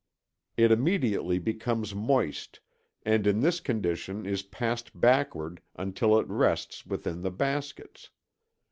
It immediately becomes moist, and in this condition is passed backward until it rests within the baskets.